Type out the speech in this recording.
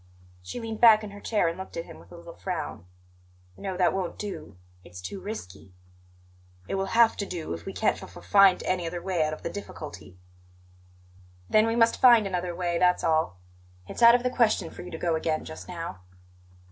She leaned back in her chair and looked at him with a little frown. "No, that won't do; it's too risky." "It will have to do if we can't f f find any other way out of the difficulty." "Then we must find another way, that's all. It's out of the question for you to go again just now."